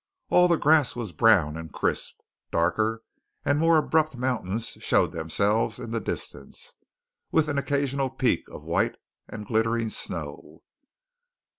All the grass was brown and crisp. Darker and more abrupt mountains showed themselves in the distance, with an occasional peak of white and glittering snow.